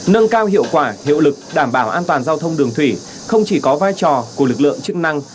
nâng cao hiệu quả hiệu lực đảm bảo an toàn giao thông đường thủy không chỉ có vai trò của lực lượng chức năng